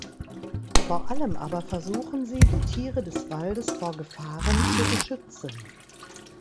Vor allem aber versuchen sie die Tiere des Waldes vor Gefahren zu beschützen.